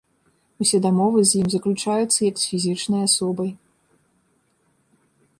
Усе дамовы з ім заключаюцца як з фізічнай асобай.